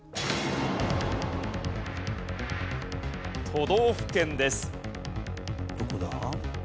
都道府県です。